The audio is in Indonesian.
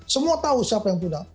semua tahu siapa yang punya